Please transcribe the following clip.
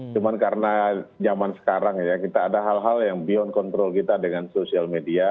cuma karena zaman sekarang ya kita ada hal hal yang beyond control kita dengan sosial media